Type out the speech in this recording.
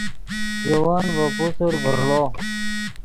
ژے ون ڤے پوسر ڤرڑو